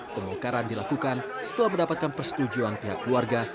pembongkaran dilakukan setelah mendapatkan persetujuan pihak keluarga